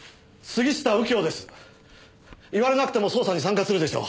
言われなくても捜査に参加するでしょう。